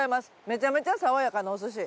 めちゃめちゃ爽やかなお寿司。